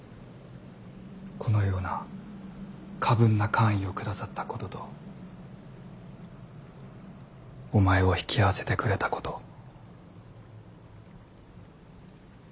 このような過分な官位を下さったこととお前を引き合わせてくれたこと。は。